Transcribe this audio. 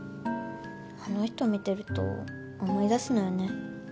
あの人見てると思い出すのよね